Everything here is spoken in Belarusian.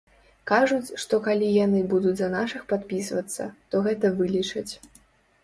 Кажуць, што калі яны будуць за нашых падпісвацца, то гэта вылічаць.